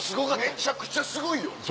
めちゃくちゃすごいよ。